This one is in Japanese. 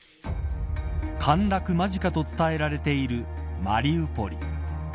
陥落間近と伝えられているマリウポリ。